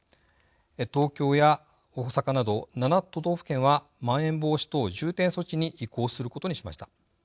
東京や大阪など７都道府県はまん延防止等重点措置に移行することにしました。